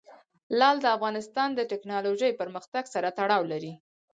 لعل د افغانستان د تکنالوژۍ پرمختګ سره تړاو لري.